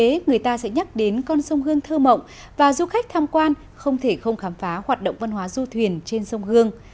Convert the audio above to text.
vì thế người ta sẽ nhắc đến con sông hương thơ mộng và du khách tham quan không thể không khám phá hoạt động văn hóa du thuyền trên sông hương